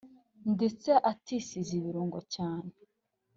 ndetse atisize ibirungo cyane